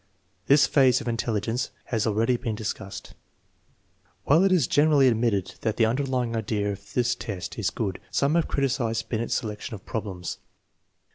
This phase of intelli gence has already been discussed. 1 While it is generally admitted that the underlying idea of this test is good, some have criticized Binet's selection of problems.